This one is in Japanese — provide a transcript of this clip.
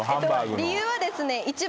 理由はですね一番。